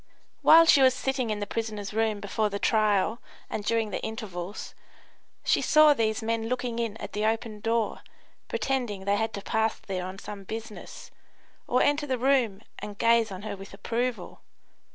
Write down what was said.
While she was sitting in the prisoners' room before the trial and during the intervals, she saw these men looking in at the open door pretending they had to pass there on some business, or enter the room and gaze on her with approval.